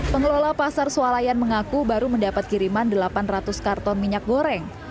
pengelola pasar sualayan mengaku baru mendapat kiriman delapan ratus karton minyak goreng